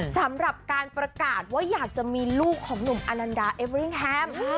สำหรับการประกาศว่าอยากจะมีลูกของหนุ่มอนันดาเอเวอรี่แฮม